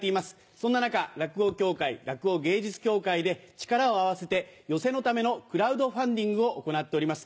そんな中落語協会落語芸術協会で力を合わせて寄席のためのクラウドファンディングを行っております。